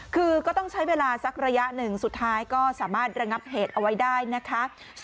คือก็ต้องใช้เวลาสักระยะหนึ่งสุดท้ายก็สามารถระงับเหตุเอาไว้ได้นะคะ